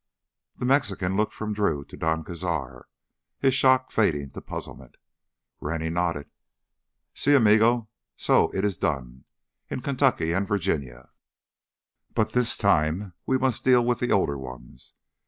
The Mexican looked from Drew to Don Cazar, his shock fading to puzzlement. Rennie nodded. "Sí, amigo, so it is done—in Kentucky and Virginia. But this time we must deal with the older ones.